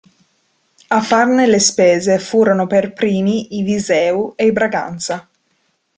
A farne le spese furono per primi i Viseu e i Braganza.